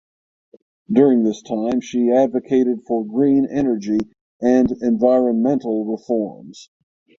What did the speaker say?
During this time she advocated for green energy and environmental reforms.